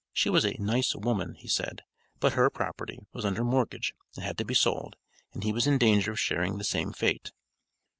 She was a nice woman he said, but her property was under mortgage and had to be sold, and he was in danger of sharing the same fate.